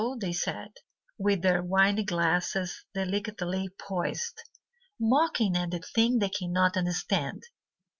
they said, With their wine glasses delicately poised, Mocking at the thing they cannot understand.